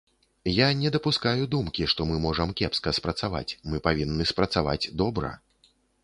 Я не дапускаю думкі, што мы можам кепска спрацаваць, мы павінны спрацаваць добра.